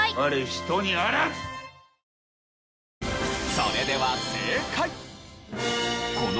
それでは正解。